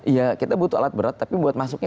iya kita butuh alat berat tapi buat masuknya